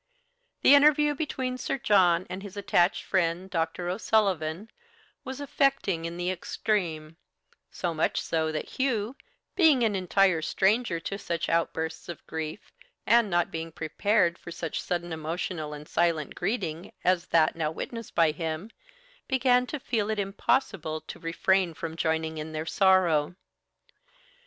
The interview between Sir John and his attached friend, Doctor O'Sullivan, was affecting in the extreme, so much so that Hugh, being an entire stranger to such outbursts of grief, and not being prepared for such sudden emotional and silent greeting as that now witnessed by him, began to feel it impossible to refrain from joining in their sorrow.